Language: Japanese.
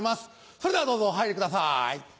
それではどうぞお入りください。